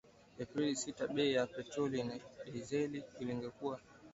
Aprili sita bei ya petroli na dizeli iliongezeka kwa shilingi mia tatu ishirini na moja za Tanzania